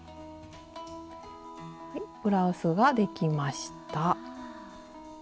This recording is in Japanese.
ブラウスができました。